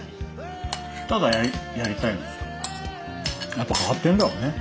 やっぱ変わってんだろうね。